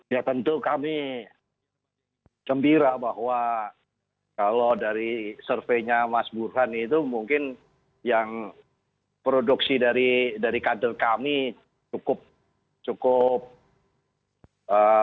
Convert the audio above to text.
ya tentu kami gembira bahwa kalau dari surveinya mas burhan itu mungkin yang produksi dari kader kami cukup cukup